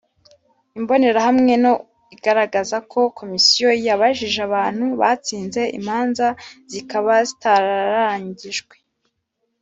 Imbonerahamwe no iragaragaza ko komisiyo yabajije abantu batsinze imanza zikaba zitararangijwe